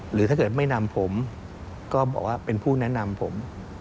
หรือถ้าเกิดไม่นำผมก็บอกว่าเป็นผู้แนะนำผม